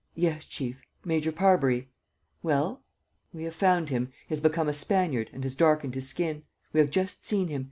"Yes, chief, Major Parbury. ..." "Well?" "We have found him. He has become a Spaniard and has darkened his skin. We have just seen him.